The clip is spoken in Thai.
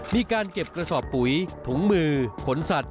มีการเก็บกระสอบปุ๋ยถุงมือขนสัตว